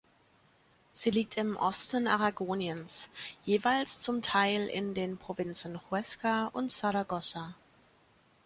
Sie liegt im Osten Aragoniens, jeweils zum Teil in den Provinzen Huesca und Saragossa.